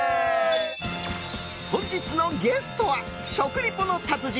本日のゲストは食リポの達人